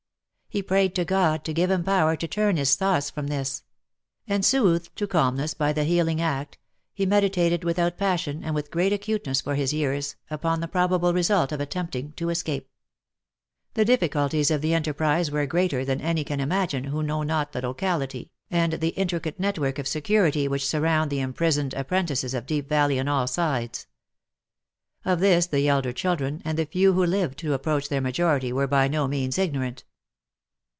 He prayed to God to give him power to turn his thoughts from this ; and soothed to calmness by the healing act, he meditated with out passion, and with great acuteness for his years, upon the probable result of attempting to escape. The difficulties of the enterprise were greater than any can imagine who know not the locality, and the intricate network of security which surround the imprisoned apprentices of Deep Valley on all sides. Of this the elder children, and the few who lived to approach their majo rity, were by no means ignorant.